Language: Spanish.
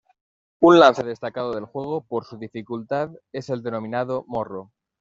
Un lance destacado del juego, por su dificultad, es el denominado "morro".